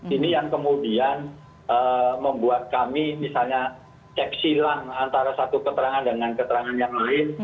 ini yang kemudian membuat kami misalnya cek silang antara satu keterangan dengan keterangan yang lain